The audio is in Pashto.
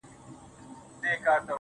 د هغه ورځي څه مي.